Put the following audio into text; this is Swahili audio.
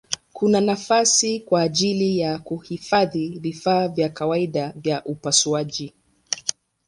Kuna nafasi kwa ajili ya kuhifadhi vifaa vya kawaida vya upasuaji.